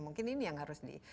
mungkin ini yang harus di